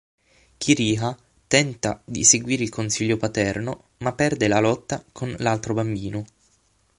Kiriha tenta di seguire il consiglio paterno, ma perde la lotta con l'altro bambino.